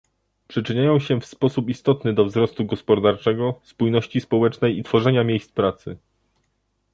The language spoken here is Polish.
Przyczyniają się w sposób istotny do wzrostu gospodarczego, spójności społecznej i tworzenia miejsc pracy